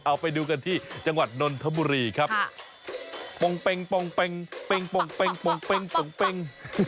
เอาไปดูกันที่จังหวัดนนทบุรีครับโป่งเป็งโป่งเป็งเป็งโป่งเป็งโป่งเป็งโป่งเป็ง